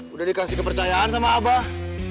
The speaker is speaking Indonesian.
udah dikasih kepercayaan sama abah